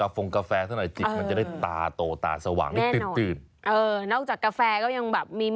ไปต่อกันที